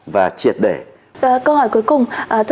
và triệt để câu hỏi cuối cùng